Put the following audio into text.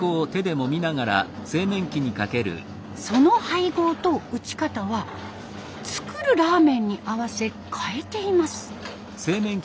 その配合と打ち方は作るラーメンに合わせ変えています。